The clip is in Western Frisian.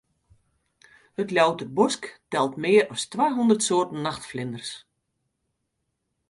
It Ljouwerter Bosk telt mear as twa hûndert soarten nachtflinters.